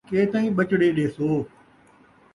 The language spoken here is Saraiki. کے تئیں ٻچڑے ݙیسو